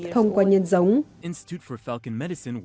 thông qua nhân giống